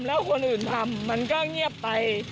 แล้วคนอื่นทำมันก็เงียบไป